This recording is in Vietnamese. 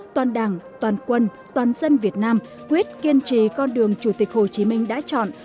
toàn đảng toàn quân toàn dân việt nam quyết kiên trì con đường chủ tịch hồ chí minh đã chọn